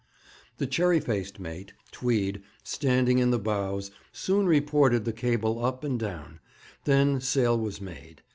The cherry faced mate, Tweed, standing in the bows, soon reported the cable up and down; then sail was made.